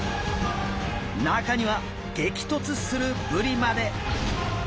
中には激突するブリまで。